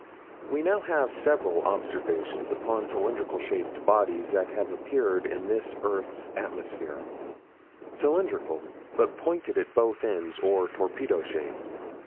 We now have several observations upon cylindrical shaped bodies that have appeared in this earth's atmosphere: cylindrical, but pointed at both ends, or torpedo shaped.